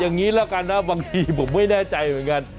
อย่างนี้แล้วกันนะบางทีผมไม่แน่ใจเหมือนกัน